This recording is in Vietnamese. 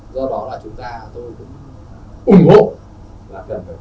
do đó là chúng ta tôi cũng ủng hộ là cần phải quảng cáo cho